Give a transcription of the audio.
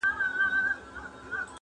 چي کرلي غزل ستوری په ا وبه کم,